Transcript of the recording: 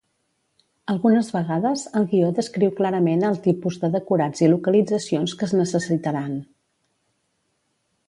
Algunes vegades, el guió descriu clarament el tipus de decorats i localitzacions que es necessitaran.